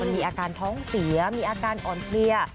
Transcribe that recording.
มีอาการท้องเสียมีอาการอ่อนเพลีย